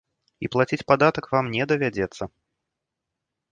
І плаціць падатак вам не давядзецца.